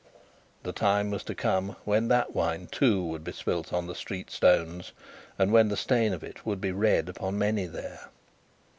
The time was to come, when that wine too would be spilled on the street stones, and when the stain of it would be red upon many there.